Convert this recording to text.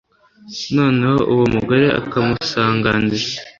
noneho uwo mugore akamusanganira